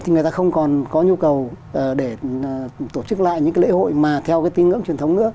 thì người ta không còn có nhu cầu để tổ chức lại những cái lễ hội mà theo cái tin ngưỡng truyền thống nữa